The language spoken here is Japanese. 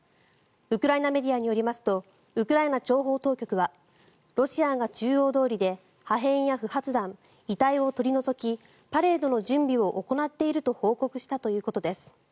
ウクライナメディアによりますとウクライナ諜報当局はロシアが中央通りで破片や不発弾遺体を取り除きパレードの準備を行っていると報じたということです。